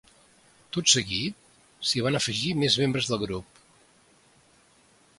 Tot seguit, s’hi van afegir més membres del grup.